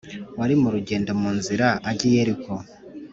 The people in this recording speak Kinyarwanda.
wari mu rugendo mu nzira ijya i Yeriko